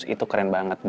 itu keren banget